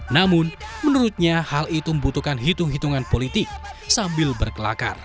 namun menurutnya hal itu membutuhkan hitung hitungan politik sambil berkelakar